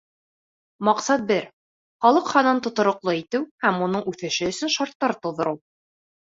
Маҡсат бер — халыҡ һанын тотороҡло итеү һәм уның үҫеше өсөн шарттар тыуҙырыу.